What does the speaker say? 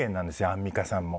アンミカさんも。